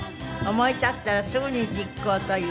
思い立ったらすぐに実行という。